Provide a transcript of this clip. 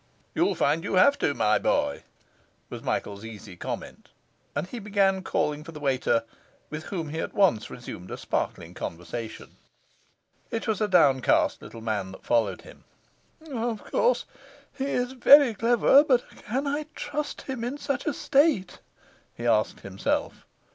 'You'll find you'll have to, my boy,' was Michael's easy comment, and he began calling for the waiter, with whom he at once resumed a sparkling conversation. It was a downcast little man that followed him. 'Of course he is very clever, but can I trust him in such a state?' he asked himself.